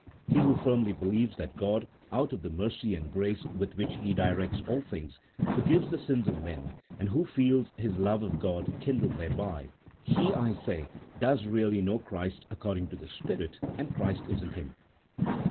He who firmly believes that God, out of the mercy and grace with which He directs all things, forgives the sins of men, and who feels his love of God kindled thereby, he, I say, does really know Christ according to the Spirit, and Christ is in him.